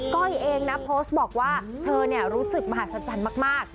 ้อยเองนะโพสต์บอกว่าเธอรู้สึกมหัศจรรย์มาก